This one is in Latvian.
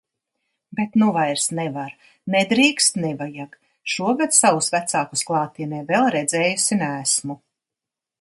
Bet nu vairs nevar. Nedrīkst, nevajag. Šogad savus vecākus klātienē vēl redzējusi neesmu.